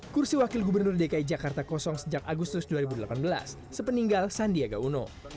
kursi wakil gubernur dki jakarta kosong sejak agustus dua ribu delapan belas sepeninggal sandiaga uno